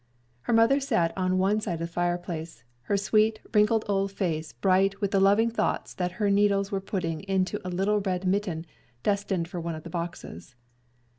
Her mother sat on one side of the fireplace, her sweet, wrinkled old face bright with the loving thoughts that her needles were putting into a little red mitten, destined for one of the boxes.